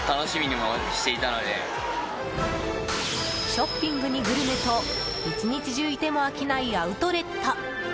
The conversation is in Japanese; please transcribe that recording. ショッピングにグルメと１日中いても飽きないアウトレット。